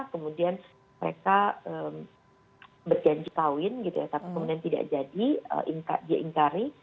kemudian mereka berjanji kawin gitu ya tapi kemudian tidak jadi dia ingkari